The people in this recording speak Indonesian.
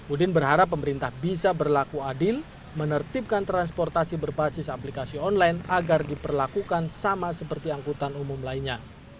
udin berharap pemerintah bisa berlaku adil menertibkan transportasi berbasis aplikasi online agar diperlakukan sama seperti angkutan umum lainnya